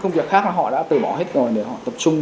công việc khác là họ đã từ bỏ hết rồi để họ tập trung